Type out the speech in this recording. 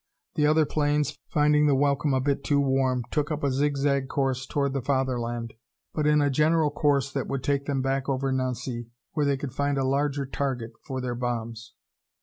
The other planes, finding the welcome a bit too warm, took up a zig zag course toward the Fatherland, but in a general course that would take them back over Nancy, where they could find a larger target for their bombs.